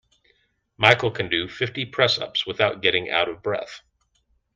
Michael can do fifty press-ups without getting out of breath